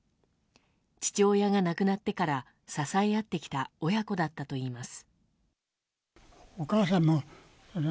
父親が亡くなってから支え合ってきた親子だったといいます。